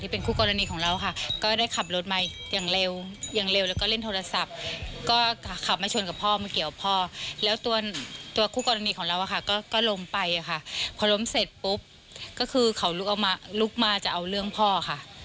พอล้มเสร็จปุ๊บก็คือเขาลุกมาจะเอาเรื่องพ่อค่ะ